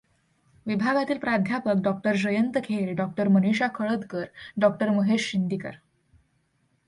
विभागातील प्राध्यापक डॉ. जयंत खेर, डॉ. मनिषा खळदकर, डॉ. महेश शिंदीकर.